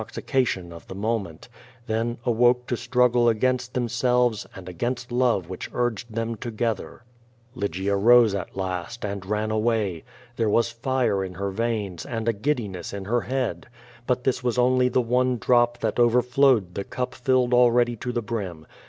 xication of the moment, then awoke to struggle against themselves and against love wliich urged them together. Lvffia rose at last and ran awav. There was fire in her veins, and a giddiness in her head. Hut this was only the one drop that overflowed the cup fllled already to the brim.